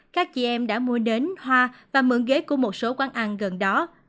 các chị em đã mua đến hoa và mượn ghế của một số quán ăn gần đó